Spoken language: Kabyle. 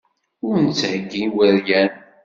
Ur netthegi iweryan.